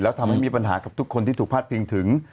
แล้วทำให้มีปัญหากับทุกคนที่ถูกพาดพิงถึง